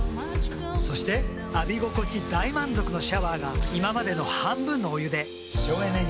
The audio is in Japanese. そして浴び心地大満足のシャワーが今までの半分のお湯で省エネに。